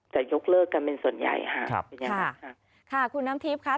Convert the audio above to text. จะยกเลิกกันเป็นส่วนใหญ่ฮะครับค่ะค่ะคุณน้ำทิพย์ค่ะ